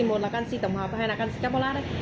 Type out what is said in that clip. một là canxi tổng hợp và hai là canxi capillus